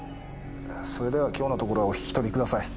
それでは今日のところはお引き取りください。